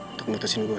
untuk mutusin gue